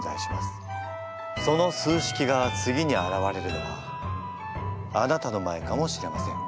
その数式が次に現れるのはあなたの前かもしれません。